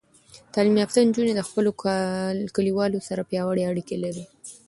تعلیم یافته نجونې د خپلو کلیوالو سره پیاوړې اړیکې لري.